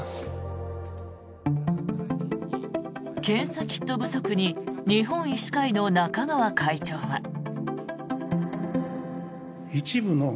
検査キット不足に日本医師会の中川会長は。